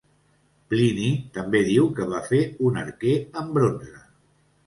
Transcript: Plini també diu que va fer un arquer en bronze.